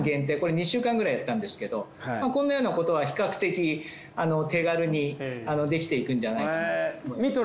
２週間くらいやったんですけどこんなようなことは比較的手軽にできていくんじゃないかなと思います。